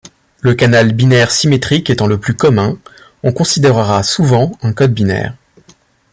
Le canal binaire symétrique étant le plus commun, on considérera souvent un code binaire.